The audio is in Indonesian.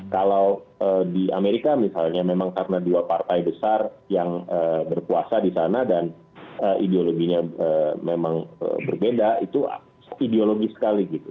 kalau di amerika misalnya memang karena dua partai besar yang berkuasa di sana dan ideologinya memang berbeda itu ideologis sekali gitu